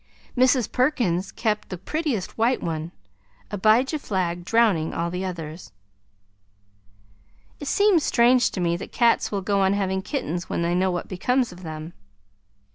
Mrs. Perkins kept the prettiest white one, Abijah Flagg drowning all the others. It seems strange to me that cats will go on having kittens when they know what becomes of them!